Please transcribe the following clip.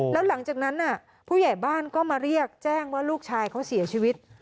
แล้วหลังจากนั้นผู้ใหญ่บ้านก็มาเรียกแจ้งว่าลูกชายเขาเสียชีวิต